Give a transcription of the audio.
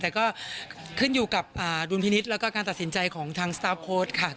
แต่ก็ขึ้นอยู่กับดุลพินิษฐ์แล้วก็การตัดสินใจของทางสตาร์ฟโค้ดค่ะ